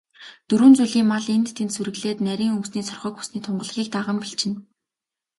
Дөрвөн зүйлийн мал энд тэнд сүрэглээд, нарийн өвсний соргог, усны тунгалгийг даган бэлчинэ.